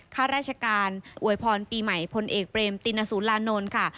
ข้าราชการอวยพรปีใหม่พลเอกเบรมตินสุรานนท์ค่ะ